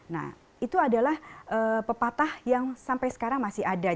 nah itu adalah pepatah yang sampai sekarang masih ada